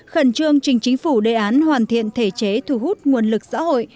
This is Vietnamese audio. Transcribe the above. khẩn trương trình chính phủ đề án hoàn thiện thể chế thu hút nguồn lực xã hội